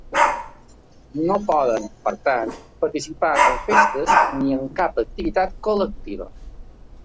No poden, per tant, participar en festes ni en cap activitat col·lectiva.